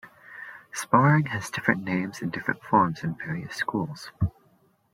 Sparring has different names and different forms in various schools.